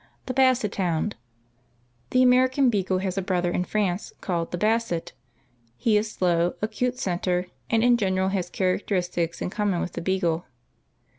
THE BASSET HOUND. The American beagle has a brother in France, called the Basset. He is slow, acute scenter and in general has characteristics in common with the beagle.